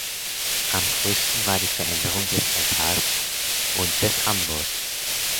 Am größten war die Veränderung des Altars und des Ambos.